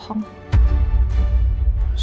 saya sangat yakin dia gak menangis